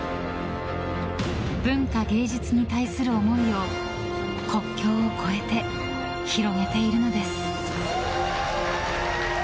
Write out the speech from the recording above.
文化・芸術に対する思いを国境を越えて広げているのです。